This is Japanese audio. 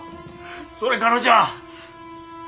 それからじゃ。